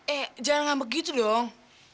eh jangan ngambek gitu dong